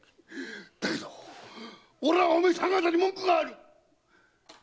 だけど俺はお前さん方に文句がある！